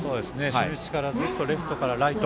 初日からずっとレフトからライト。